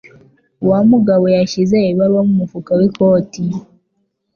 Wa mugabo yashyize ibaruwa mu mufuka w'ikoti.